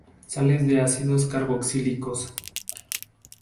Sales de ácidos carboxílicos.